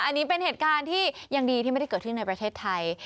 อันนี้เป็นเหตุการณ์ที่ยังดีที่ไม่ได้เกิดขึ้นในประเทศไทย